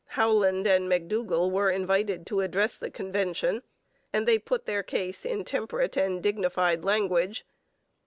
Howland and McDougall were invited to address the convention, and they put their case in temperate and dignified language.